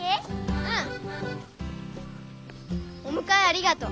うん。おむかえありがとう。